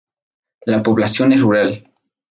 La población es rural.